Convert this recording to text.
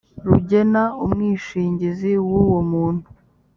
rugena umwishingizi w uwo umuntu